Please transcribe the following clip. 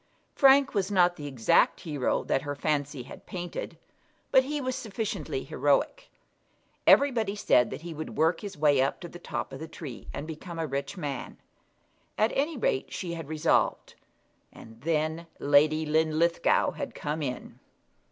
Frank was not the exact hero that her fancy had painted, but he was sufficiently heroic. Everybody said that he would work his way up to the top of the tree, and become a rich man. At any rate she had resolved; and then Lady Linlithgow had come in!